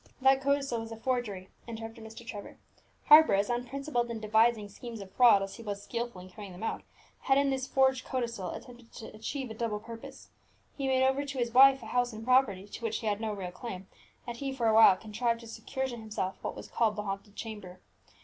"That codicil was a forgery," interrupted Mr. Trevor. "Harper, as unprincipled in devising schemes of fraud as he was skilful in carrying them out, had in this forged codicil attempted to achieve a double purpose. He made over to his wife a house and property to which she had no real claim, and he for a while contrived to secure to himself what was called the haunted chamber.